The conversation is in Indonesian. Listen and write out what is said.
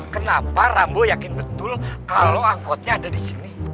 kenapa rambu yakin betul kalau angkotnya ada di sini